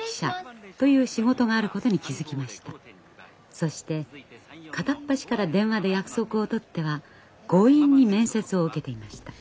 そして片っ端から電話で約束を取っては強引に面接を受けていました。